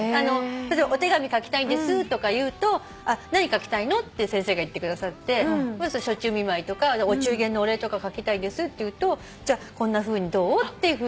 例えばお手紙書きたいんですとか言うと何書きたいの？って先生が言ってくださって暑中見舞いとかお中元のお礼とか書きたいですって言うとじゃあこんなふうにどう？っていうふうに。